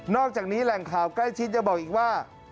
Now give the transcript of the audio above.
อกจากนี้แหล่งข่าวใกล้ชิดยังบอกอีกว่า